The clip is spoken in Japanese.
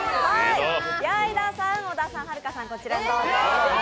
矢井田さん、小田さん、はるかさん、こちらにどうぞ。